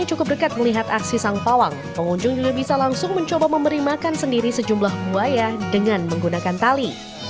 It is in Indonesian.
cukup dekat melihat aksi sang pawang pengunjung juga bisa langsung mencoba memberi makan sendiri sejumlah buaya dengan menggunakan tali